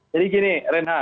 jadi gini renhar